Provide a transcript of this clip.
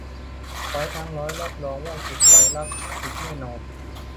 ร้อยทั้งร้อยรับรองว่าจุดไฟรักติดแน่นอน